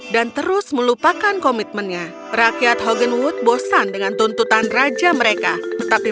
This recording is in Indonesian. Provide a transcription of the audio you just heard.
dan terus melupakan komitmennya rakyat hogan wood bosan dengan tuntutan raja mereka tetapi